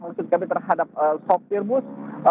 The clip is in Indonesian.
maksud kami terhadap sopir bus